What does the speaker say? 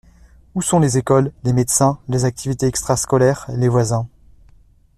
Où sont les écoles, les médecins, les activités extrascolaires, les voisins?